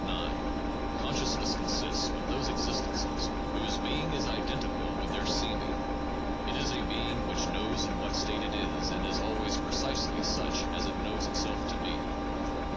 (9, 20, 21.) 9. Consciousness consists of those existences whose being is iden 706 THE JOURNAL OF PHILOSOPHY tical with their seeming; it is a being "which knows in what state it is and is always precisely such as it knows itself to be."